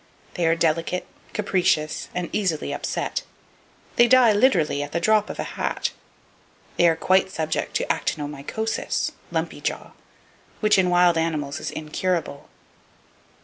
They are delicate, capricious, and easily upset. They die literally "at the drop of a hat." They are quite subject to actinomycosis (lumpy jaw), which in wild animals is incurable.